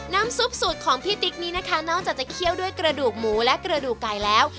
ซุปสูตรของพี่ติ๊กนี้นะคะนอกจากจะเคี่ยวด้วยกระดูกหมูและกระดูกไก่แล้ว